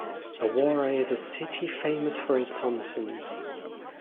Awara is a city famous for its onsen.